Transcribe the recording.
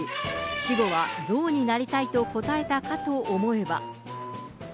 死後は象になりたいと答えたかと思えば。